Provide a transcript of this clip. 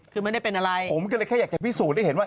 คือไม่ได้เป็นอะไรผมก็เลยแค่อยากจะพิสูจน์ให้เห็นว่า